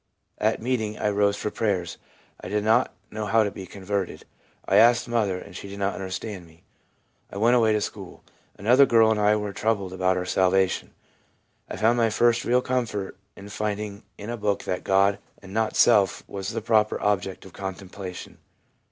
At meeting I rose for prayers. I did not know how to be converted ; 1 asked mother, and she did not understand me. I went away to school. Another girl and I were still troubled about our salvation. I found my first real comfort in finding in a book that God, and not self, was the proper object of contemplation.